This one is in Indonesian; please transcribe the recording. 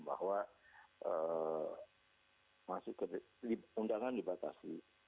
bahwa undangan dibatasi